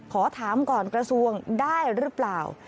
ขอถามก่อนกระทรวงได้หรือเปล่า